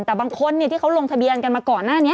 แต่บางคนที่เขาลงทะเบียนกันมาก่อนหน้านี้